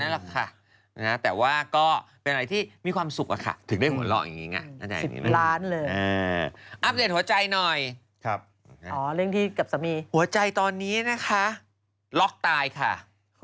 หัวใจตอนนี้นะคะหลอกตายค่า